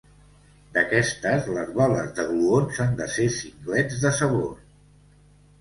D'aquestes, les boles de gluons han de ser singlets de sabor.